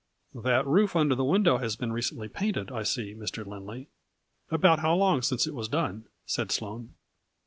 " That roof under the window has been re cently painted, I see, Mr. Lindley. About how long since it was done ?" said Sloane.